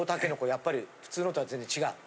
やっぱり普通のとは全然違う？